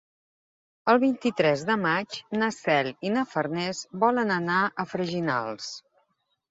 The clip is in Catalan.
El vint-i-tres de maig na Cel i na Farners volen anar a Freginals.